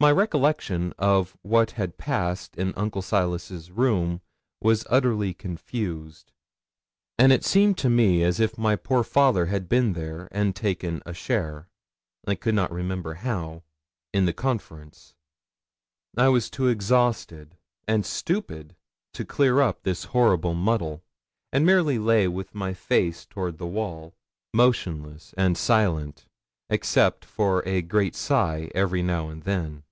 My recollection of what had passed in Uncle Silas's room was utterly confused, and it seemed to me as if my poor father had been there and taken a share I could not remember how in the conference. I was too exhausted and stupid to clear up this horrible muddle, and merely lay with my face toward the wall, motionless and silent, except for a great sigh every now and then.